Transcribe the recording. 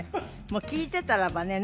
もう聞いてたらばね